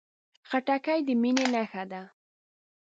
خټکی د مینې نښه ده.